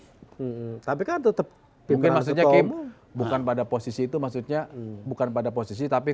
tetapi sudah tetap ini masuknya game bukan pada posisi itu maksudnya bukan pada posisi tapi